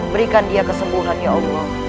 berikan dia kesembuhan ya allah